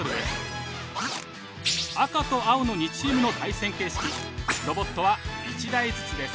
赤と青の２チームの対戦形式ロボットは１台ずつです。